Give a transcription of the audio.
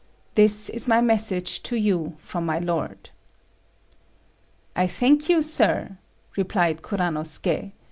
This is my message to you from my lord." "I thank you, sir," replied Kuranosuké.